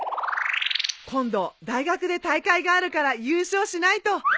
今度大学で大会があるから優勝しないと。